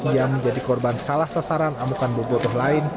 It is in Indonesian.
ia menjadi korban salah sasaran amukan bobotoh lain